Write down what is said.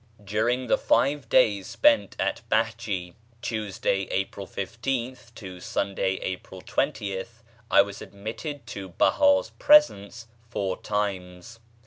During the five days spent at Behjé (Tuesday, April 15th to Sunday, April 20th), I was admitted to Behá's presence four times.